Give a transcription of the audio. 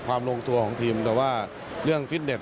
ความโรงตัวของทีมแต่ว่าเรื่องฟิตเน็ต